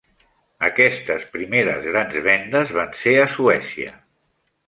Aquestes primeres grans vendes van ser a Suècia.